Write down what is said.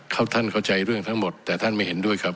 ท่านเข้าใจเรื่องทั้งหมดแต่ท่านไม่เห็นด้วยครับ